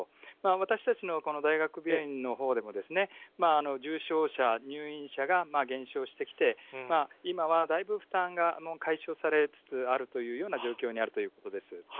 私たちのこの大学病院のほうでも、重症者、入院者が減少してきて、今はだいぶ負担が解消されつつあるというような状況にあるということです。